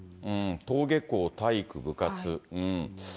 登下校、体育、部活。